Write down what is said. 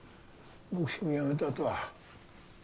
ボクシングやめたあとは。